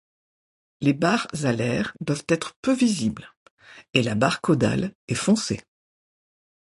Les barres alaires doivent être peu visibles, et la barre caudale est foncée.